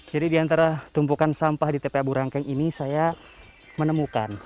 jadi di antara tumpukan sampah di tpa burangkeng ini saya menemukan